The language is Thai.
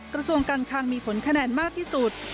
กระทรวงการคังมีผลคะแนนมากที่สุด